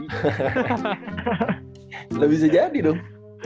udah bisa jadi dong